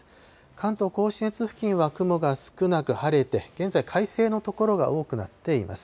関東甲信越付近は雲が少なく晴れて、現在、快晴の所が多くなっています。